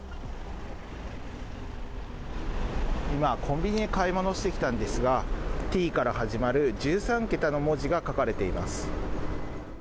今、コンビニで買い物してきたんですがＴから始まる１３桁の文字が書かれています。